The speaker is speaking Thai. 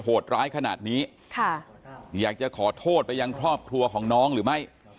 โหดร้ายขนาดนี้ค่ะอยากจะขอโทษไปยังครอบครัวของน้องหรือไม่